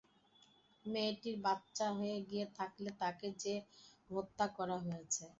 মেয়েটির বাচ্চা হয়ে গিয়ে থাকলে তাকে যে হত্যা করা হয়েছে।